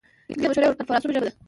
انګلیسي د مشورو او کنفرانسونو ژبه ده